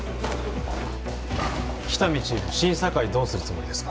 喜多見チーフ審査会どうするつもりですか？